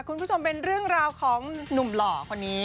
คุณผู้ชมเป็นเรื่องราวของหนุ่มหล่อคนนี้